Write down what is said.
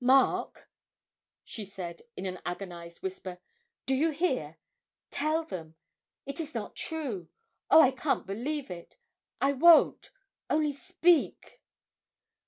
'Mark,' she said in an agonised whisper, 'do you hear? ... tell them ... it is not true oh, I can't believe it I won't only speak!'